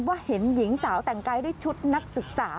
เห็นหญิงสาวแต่งกายด้วยชุดนักศึกษา